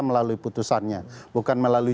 melalui putusannya bukan melalui